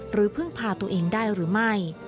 พึ่งพาตัวเองได้หรือไม่